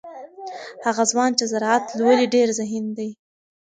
هغه ځوان چې زراعت لولي ډیر ذهین دی.